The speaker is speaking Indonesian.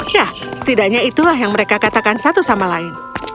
ya setidaknya itulah yang mereka katakan satu sama lain